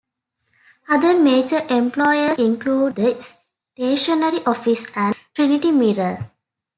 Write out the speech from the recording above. Other major employers include the Stationery Office and Trinity Mirror.